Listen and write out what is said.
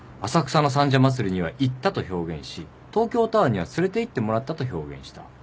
浅草の三社祭には「行った」と表現し東京タワーには「連れていってもらった」と表現した。